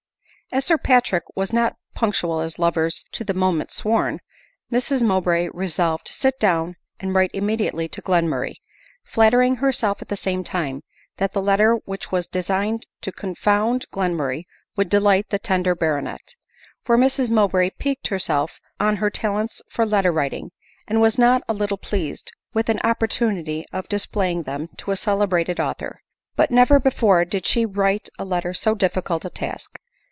As Sir Patrick was not " punctual as lovers to'the mo ment sworn," Mrs Mowbray resolved to sit down and write immediately to Glenmurray ; flattering herself at the same time, that the letter which was designed to con found Glenmurray would delight the tender baronet ; for Mrs Mowbray piqued herself on her talents for letter writing, and was not a little pleased with an opportunity of displaying them to a celebrated author. But never before did she find writing a letter so difficult a task.